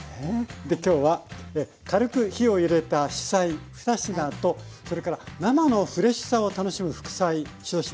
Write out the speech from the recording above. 今日は軽く火を入れた主菜２品とそれから生のフレッシュさを楽しむ副菜１品を教えて頂きますね。